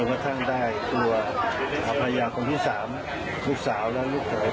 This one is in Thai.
ว่าภรรยาคนที่๓แล้วก็ลูกสาวและลูกเขยนะครับ